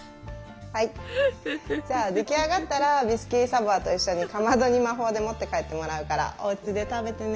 はいじゃあ出来上がったらビスキュイ・ド・サヴォワと一緒にかまどに魔法で持って帰ってもらうからおうちで食べてね。